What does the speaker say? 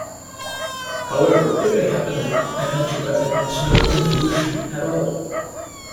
However, it may happen that an algebra admits no involution at all.